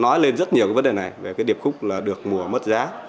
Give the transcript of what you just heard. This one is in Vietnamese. nói lên rất nhiều cái vấn đề này về cái điệp khúc là được mùa mất giá